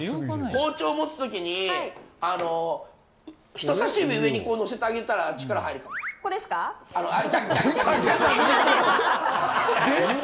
包丁を持つ時に人差し指を上にあげてあげたら力が入るかも。